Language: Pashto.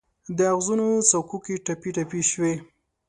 د اغزو څوکو کې ټپي، ټپي شوي